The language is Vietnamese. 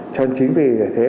cho nên chính vì thế